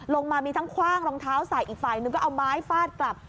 ลงมามีทั้งคว่างรองเท้าใส่อีกฝ่ายนึงก็เอาไม้ฟาดกลับ